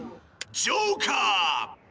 ジョーカー！